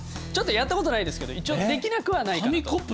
ちょっとやったことないですけど一応できなくはないかなと。